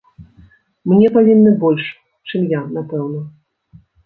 Мне павінны больш, чым я, напэўна.